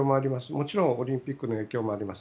もちろんオリンピックの影響もあります。